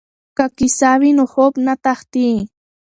که کیسه وي نو خوب نه تښتي.